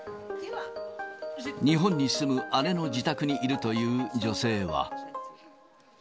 日本に住む姉の自宅にいるという女性は。